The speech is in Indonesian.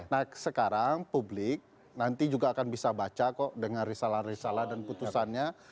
nah sekarang publik nanti juga akan bisa baca kok dengan risalah risalah dan putusannya